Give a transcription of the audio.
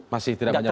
masih tidak banyak